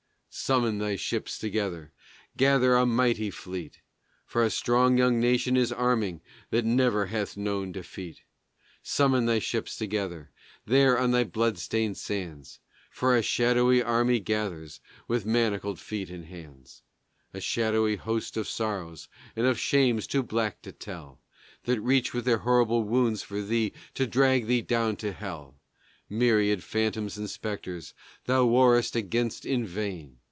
Summon thy ships together, gather a mighty fleet! For a strong young nation is arming that never hath known defeat. Summon thy ships together, there on thy blood stained sands! For a shadowy army gathers with manacled feet and hands, A shadowy host of sorrows and of shames, too black to tell, That reach with their horrible wounds for thee to drag thee down to hell; Myriad phantoms and spectres, thou warrest against in vain!